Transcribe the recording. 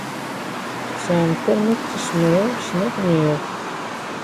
Tesɛamt arma d tis mraw snat n yiḍ.